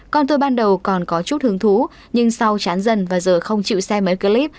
con tuổi ban đầu còn có chút hướng thú nhưng sau chán dần và giờ không chịu xem mấy clip